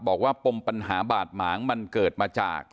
ปมปัญหาบาดหมางมันเกิดมาจาก